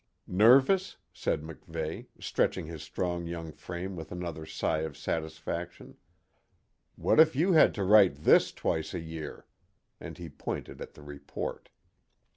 "Nervous?" said MacVeigh, stretching his strong young frame with another sigh of satisfaction. "What if you had to write this twice a year?" And he pointed at the report.